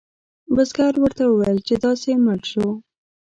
بزګر ورته وویل چې داسې مړ شو.